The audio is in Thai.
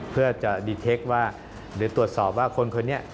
เพื่อจะดีเทคว่าหรือตรวจสอบว่าคนคนนี้